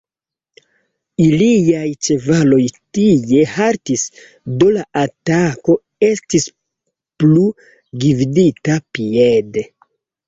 Iliaj ĉevaloj tie haltis, do la atako estis plu gvidita piede.